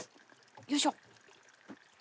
よいしょ。